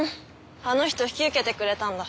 あの人引き受けてくれたんだ。